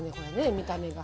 見た目が。